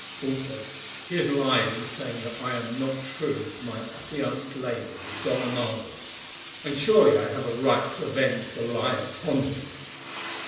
Also, he has lied in saying that I am not true to my affianced lady, the Dona Margaret, and surely I have a right to avenge the lie upon him.